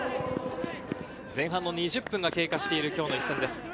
前半の２０分が経過している今日の一戦です。